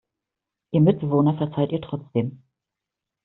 Ihr Mitbewohner verzeiht ihr trotzdem.